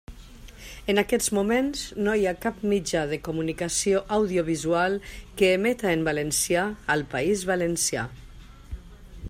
En aquests moments, no hi ha cap mitjà de comunicació audiovisual que emeta en valencià al País Valencià.